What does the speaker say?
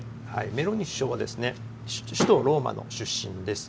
メローニ首相は首都ローマの出身です。